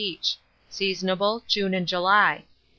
each; seasonable, June and July.